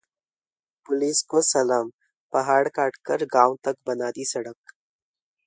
police को सलाम, पहाड़ काटकर गांव तक बना दी सड़क